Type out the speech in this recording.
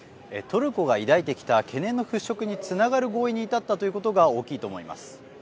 トルコが抱いてきた懸念の払拭につながる合意に至ったということが大きいと思います。